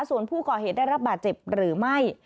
ส่วนผู้ก่อเหตุได้รับบาดเจ็บหรือไม่